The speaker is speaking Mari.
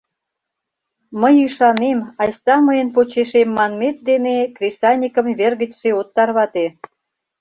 «Мый ӱшанем, айста мыйын почешем» манмет дене кресаньыкым вер гычше от тарвате.